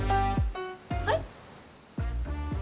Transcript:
はい？